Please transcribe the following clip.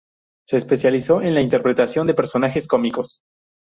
Se especializó en la interpretación de personajes cómicos.